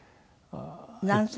何歳？